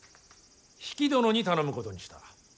比企殿に頼むことにした。